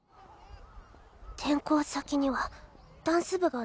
転校先にはダンス部がないから。